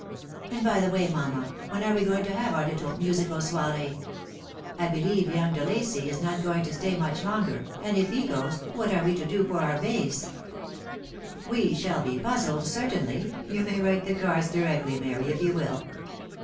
And, by the way, mamma, when are we to have our little musical soiree ? I believe young De Lacy is not going to stav much longer, and if he goes, what are we to do for our bass ?" <e We shall be puzzled, certainly. You may write the cards directly, Mary, if you will."